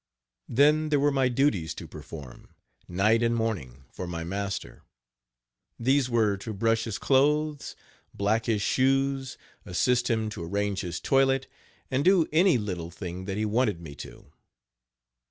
Then there were my duties to perform, night and morning, for my master; these were to brush his clothes, black his shoes, assist him to arrange his toilet, and do any little thing that he wanted me to.